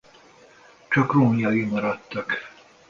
Csak romjai maradtak.